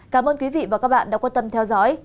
cảm ơn quý vị và các bạn đã quan tâm theo dõi